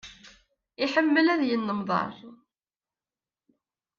Iḥemmel ad yennemḍar.